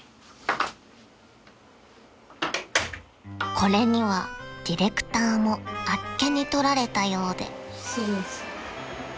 ［これにはディレクターもあっけにとられたようで］